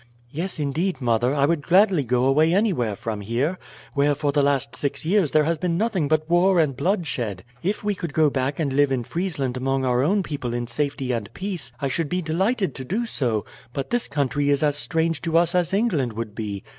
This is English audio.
"Yes, indeed, mother, I would gladly go away anywhere from here, where for the last six years there has been nothing but war and bloodshed. If we could go back and live in Friesland among our own people in safety and peace I should be delighted to do so, but this country is as strange to us as England would be.